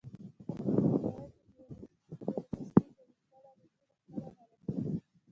احمد په دوکاندارۍ کې ډېره سستي کوي، خپله روزي په خپله خرابوي.